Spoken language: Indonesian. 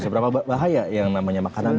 seberapa bahaya yang namanya makanan